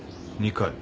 ２回？